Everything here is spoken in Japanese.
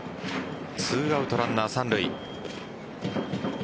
２アウトランナー三塁。